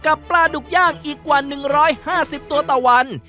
ปลาดุกย่างอีกกว่า๑๕๐ตัวต่อวัน